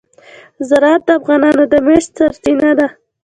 زراعت د افغانانو د معیشت سرچینه ده.